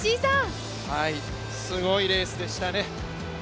すごいレースでしたね。